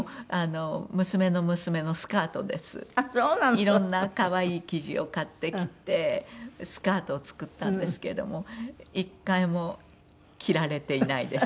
いろんな可愛い生地を買ってきてスカートを作ったんですけども一回も着られていないです。